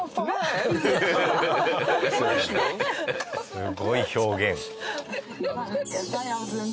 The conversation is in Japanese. すごい表現。